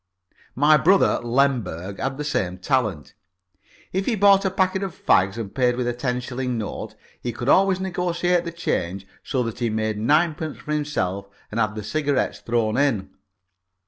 My brother Lemberg had the same talent. If he bought a packet of fags and paid with a ten shilling note, he could always negotiate the change so that he made ninepence for himself and had the cigarettes thrown in.